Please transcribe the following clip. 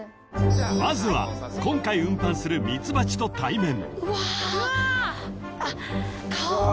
［まずは今回運搬するミツバチと対面］